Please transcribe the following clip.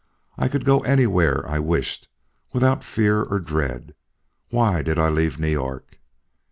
I could go anywhere I wished without fear or dread. Why did I leave New York?"